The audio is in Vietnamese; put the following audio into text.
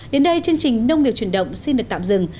đến đây chương trình nông nghiệp truyền động xin được tạm dừng